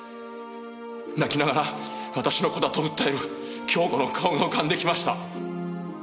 泣きながら私の子だと訴える恭子の顔が浮かんできました。